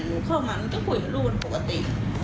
หนูเข้ามามันก็คุยกับลูกมันปกติ